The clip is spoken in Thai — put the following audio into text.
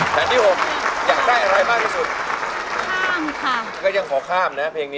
แทนไหนครับ